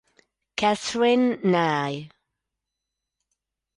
Katherine Nye